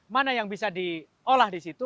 mana yang bisa diolah di situ